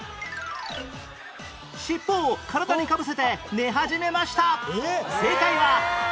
尻尾を体にかぶせて寝始めました